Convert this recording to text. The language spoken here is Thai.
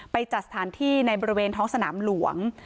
จัดสถานที่ในบริเวณท้องสนามหลวง